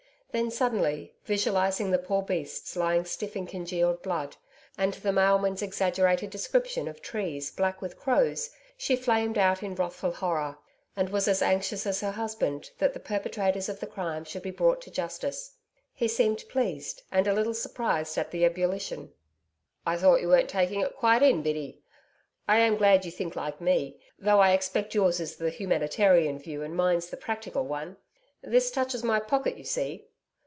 Then suddenly visualising the poor beasts lying stiff in congealed blood, and the mailman's exaggerated description of trees black with crows, she flamed out in wrathful horror, and was as anxious as her husband that the perpetrators of the crime should be brought to justice. He seemed pleased, and a little surprised at the ebullition. 'I thought you weren't taking it quite in, Biddy. I am glad you think like me, though I expect yours is the humanitarian view and mine's the practical one. This touches my pocket, you see.